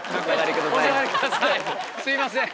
すいません。